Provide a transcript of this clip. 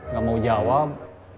gak mau jawab